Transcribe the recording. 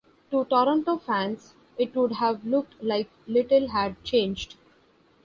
To Toronto fans, it would have looked like little had changed.